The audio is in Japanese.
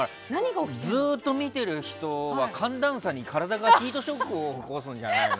ずっと見てる人は寒暖差に体がヒートショック起こすんじゃないの。